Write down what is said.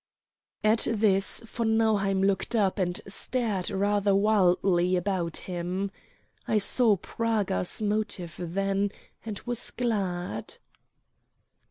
At this von Nauheim looked up, and stared rather wildly about him. I saw Praga's motive then, and was glad.